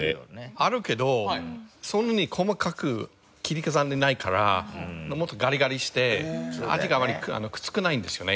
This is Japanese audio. あるけどそんなに細かく切り刻んでないからもっとガリガリして味がきつくないんですよね。